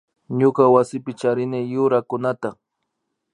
Ñuka wasipi charini yurakunata